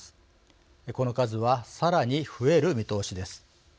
この数はさらに増える見通しです。